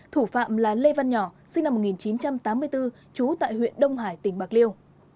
thủ phạm là lê văn nhỏ sinh năm một nghìn chín trăm tám mươi bốn trú tại huyện đông hải tỉnh bạc liêu